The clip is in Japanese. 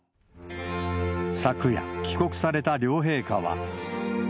昨夜、帰国された両陛下は。